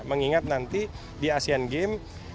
mengingat nanti di asean games